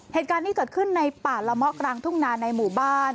เหตุการณ์นี้เกิดขึ้นในป่าละเมาะกลางทุ่งนาในหมู่บ้าน